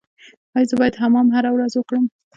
ایا زه باید حمام هره ورځ وکړم؟